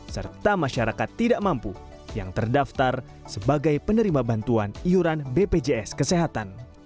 serta masyarakat tidak mampu yang terdaftar sebagai penerima bantuan iuran bpjs kesehatan